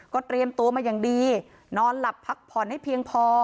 เตรียมตัวมาอย่างดีนอนหลับพักผ่อนให้เพียงพอ